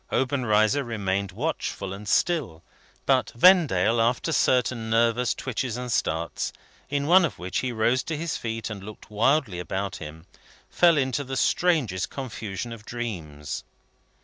Obenreizer remained watchful and still; but Vendale, after certain nervous twitches and starts, in one of which he rose to his feet and looked wildly about him, fell into the strangest confusion of dreams.